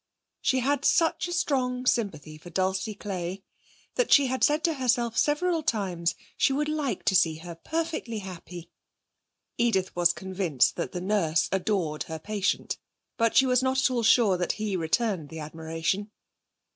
She had such a strong sympathy for Dulcie Clay that she had said to herself several times she would like to see her perfectly happy. Edith was convinced that the nurse adored her patient, but she was not at all sure that he returned the admiration.